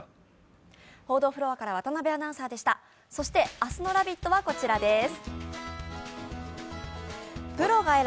そして明日の「ラヴィット！」はこちらです。